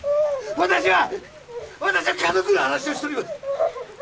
私は私は家族の話をしとります